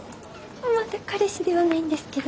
まだ彼氏ではないんですけど。